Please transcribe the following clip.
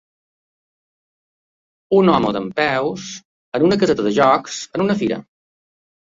Un home dempeus en una caseta de jocs en una fira.